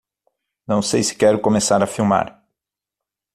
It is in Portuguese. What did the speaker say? Não sei se quero começar a filmar.